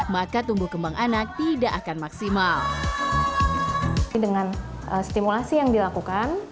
maka tumbuh kembang anak tidak akan maksimal dengan stimulasi yang dilakukan